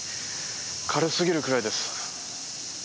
軽すぎるくらいです。